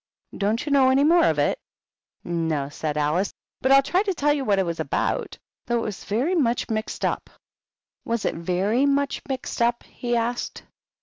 "Don't you know any more of it?" " No," said Alice ;" but I'll try to tell you what it was about. Though it was very much mixed up." "Was it very much mixed up?" he asked.